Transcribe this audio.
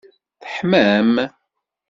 Teḥmam?